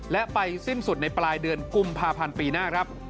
และไปสิ้นสุดในปลายเดือนกุมภาพันธ์ปีหน้าครับ